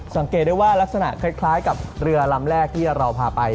สังเกตได้ว่ารักษณะคล้ายกับเรือลำแรกที่เราพาไป